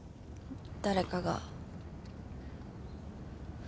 誰かが。